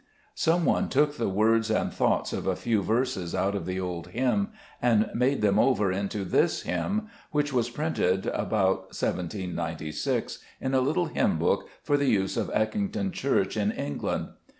Some one took the words and thoughts of a few verses out of the old hymn, and made them over into this hymn, which was printed about 1796 in a little hymn book for the use of Eckington Church in England.